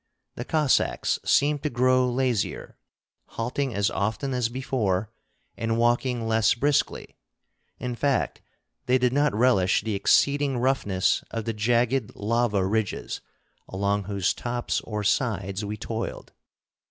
The Cossacks seemed to grow lazier, halting as often as before and walking less briskly; in fact, they did not relish the exceeding roughness of the jagged lava ridges along whose tops or sides we toiled.